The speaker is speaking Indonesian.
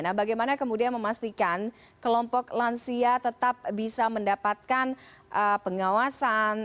nah bagaimana kemudian memastikan kelompok lansia tetap bisa mendapatkan pengawasan